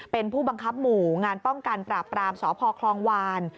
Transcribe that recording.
เป็นผู้บังคับหมู่งานป้องกันปราบปรามสพคลองวาน